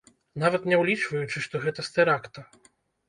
Нават не ўлічваючы, што гэта з тэракта.